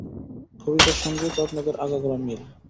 কবিতার সঙ্গেই তো আপনাদের আগাগোড়া মিল।